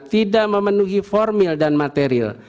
tidak memenuhi formil dan material